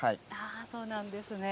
そうなんですね。